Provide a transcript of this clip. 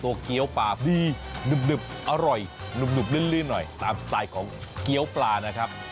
เกี้ยวปลาดีหนึบอร่อยหนุ่มลื่นหน่อยตามสไตล์ของเกี้ยวปลานะครับ